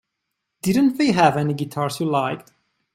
Didn't they have any guitars you liked?